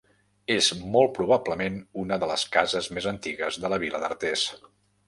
És molt probablement, una de les cases més antigues de la vila d'Artés.